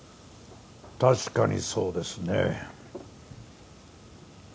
確かにそうですね。